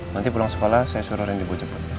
nanti pulang sekolah saya suruh ren di bojabut